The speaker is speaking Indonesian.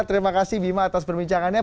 terima kasih bima atas perbincangannya